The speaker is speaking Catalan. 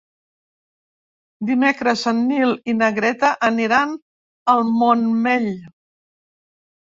Dimecres en Nil i na Greta aniran al Montmell.